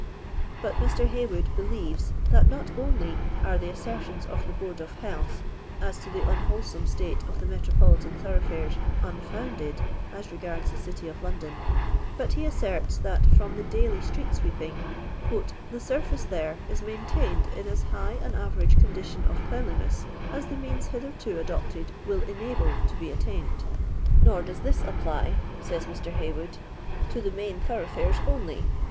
But Mr. Haywood believes that not only ve the assertions of the Board of Health as to the uawholesome state of the metropolitan iboropgli ikres unfounded as r^ards the city of XiQDdoiv but he asserts that 'from the daily street sweeping, "the surfitce there is maintained in as high an average condition of cleanliness, jw the meam hitherto adopted will enable to be attained." "Nor doee this apply, says Mr. Haywood, "to the main thoroughfares only.